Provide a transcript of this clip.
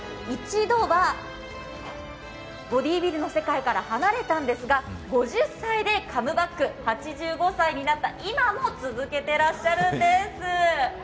一度はボディービルの世界から離れたんですが５０歳でカムバック、８５歳になった今も続けていらっしゃるんです。